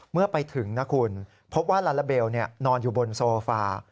เมื่อไปถึงนะคุณพบว่าลาลาเบลนอนอยู่บนโซฟา